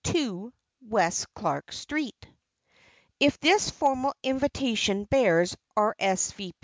2 West Clark Street." If this formal invitation bears "R. s. v.